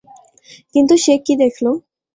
কিন্তু সে কি দেখল?